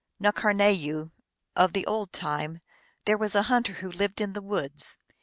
N karnayoo, of the old time, there was a hunter who lived in the woods.